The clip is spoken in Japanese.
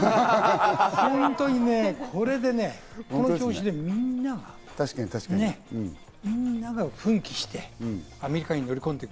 本当、この調子でみんながね、みんなが奮起して、アメリカに乗り込んでいく。